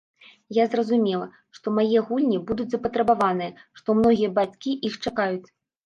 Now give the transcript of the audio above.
Я зразумела, што мае гульні будуць запатрабаваныя, што многія бацькі іх чакаюць.